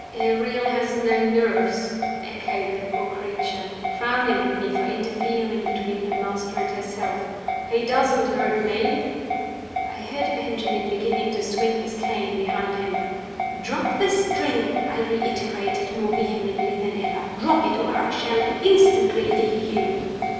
"Ariel has no nerves," echoed the poor creature, frowning at me for interfering between her master and herself. "He doesn't hurt me." I heard Benjamin beginning to swing his cane behind him. "Drop the string!" I reiterated, more vehemently than ever. "Drop it, or I shall instantly leave you."